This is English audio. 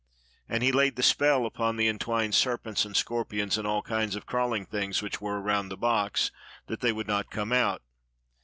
And he laid the spell upon the entwined serpents and scorpions and all kinds of crawling things which were around the box, that they would not come out.